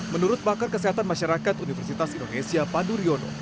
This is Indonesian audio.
menurut bakar kesehatan masyarakat universitas indonesia paduryono